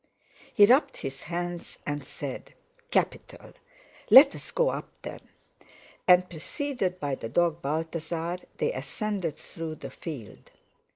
He rubbed his hands, and said: "Capital! Let's go up, then!" And, preceded by the dog Balthasar, they ascended through the field.